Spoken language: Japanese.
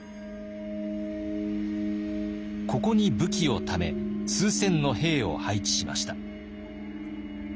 ここに武器をため数千の兵を配置しました。